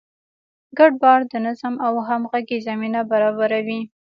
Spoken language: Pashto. ګډ باور د نظم او همغږۍ زمینه برابروي.